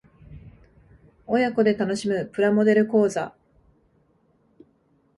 親子で楽しむプラモデル講座